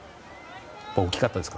大きかったですか？